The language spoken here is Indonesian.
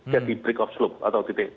jadi break of slope atau titik